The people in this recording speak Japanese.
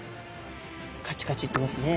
カチカチいってますね。